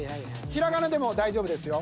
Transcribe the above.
平仮名でも大丈夫ですよ。